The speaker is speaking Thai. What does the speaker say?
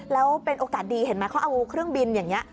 แล้วเป็นโอกาสดีเห็นไหมเขาเอาเครื่องบินอย่างนี้